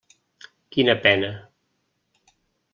Quina pena.